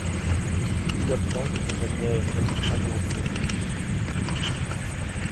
D'où l'absence de compagnies aériennes pan-européennes.